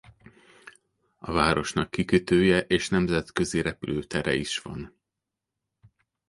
A városnak kikötője és nemzetközi repülőtere is van.